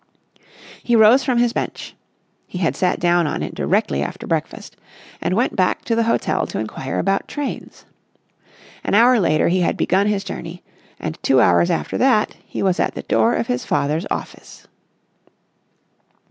He rose from his bench—he had sat down on it directly after breakfast—and went back to the hotel to inquire about trains. An hour later he had begun his journey and two hours after that he was at the door of his father's office.